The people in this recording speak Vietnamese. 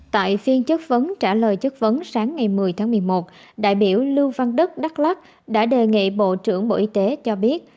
tại phiên chức vấn trả lời chức vấn sáng ngày một mươi một mươi một đại biểu lưu văn đức đắc lắc đã đề nghị bộ trưởng bộ y tế cho biết